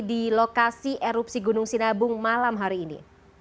di lokasi erupsi gunung sinabung malam hari ini